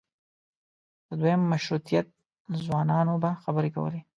د دویم مشروطیت ځوانانو به خبرې کولې.